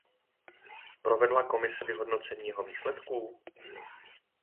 Provedla Komise vyhodnocení jeho výsledků?